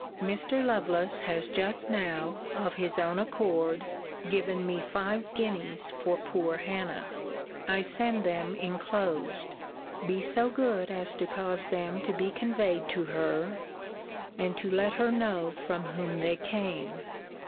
Mr. Lovelace has just now, of his own accord, given me five guineas for poor Hannah. I send them inclosed. Be so good as to cause them to be conveyed to her, and to let her know from whom they came.